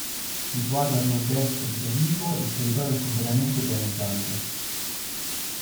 Situato a nord-est di Rovigo, il territorio è completamente pianeggiante.